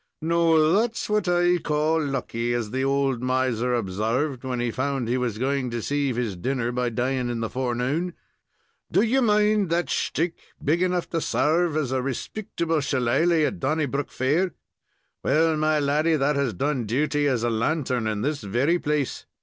"Now, that's what I call lucky, as the old miser obsarved when he found he was going to save his dinner by dying in the forenoon. Do you mind that shtick big enough to sarve as a respictable shillalah at Donnybrook Fair? Well, my laddy, that has done duty as a lantern in this very place."